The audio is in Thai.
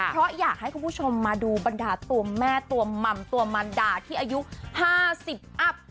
เพราะอยากให้คุณผู้ชมมาดูบรรดาตัวแม่ตัวหม่ำตัวมันดาที่อายุ๕๐อัพ